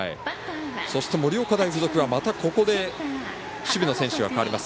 そして、盛岡大付属はここで守備の選手が代わります。